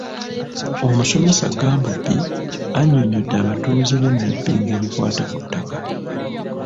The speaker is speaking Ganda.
Omusomesa Gambobbi annyonnyodde abatuuze b’e Nabbingo ebikwata ku ttaka.